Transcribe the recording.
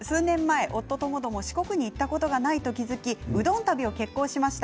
数年前、夫ともども四国に行ったことがないと思ってうどん旅に行きました。